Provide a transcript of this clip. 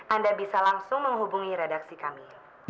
anda bisa langsung menghubungi redaksi kami